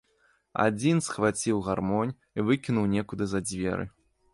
Адзін схваціў гармонь і выкінуў некуды за дзверы.